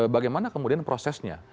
bagaimana kemudian prosesnya